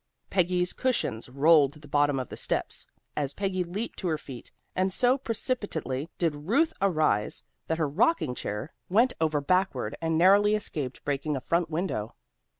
Peggy's cushions rolled to the bottom of the steps, as Peggy leaped to her feet. And so precipitately did Ruth arise, that her rocking chair went over backward, and narrowly escaped breaking a front window.